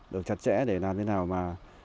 được chặt chẽ để làm thế nào mà